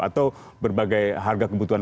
atau berbagai harga kebutuhan